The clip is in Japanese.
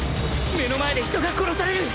目の前で人が殺される！